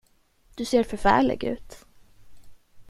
Du ser förfärlig ut.